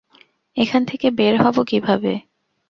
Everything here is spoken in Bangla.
এখান থেকে বের হব কীভাবে?